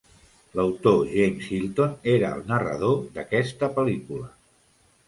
L'autor James Hilton era el narrador d'aquesta pel·lícula.